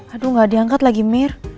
aduh gak diangkat lagi mir